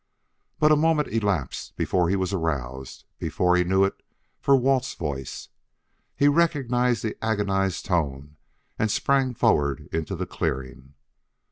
But a moment elapsed before he was aroused, before he knew it for Walt's voice. He recognized the agonized tone and sprang forward into the clearing.